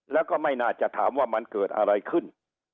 แล้วก็ไม่น่าจะถามว่ามันเกิดอะไรขึ้น